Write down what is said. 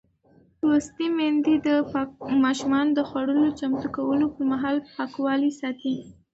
لوستې میندې د ماشومانو د خوړو چمتو کولو پر مهال پاکوالی ساتي.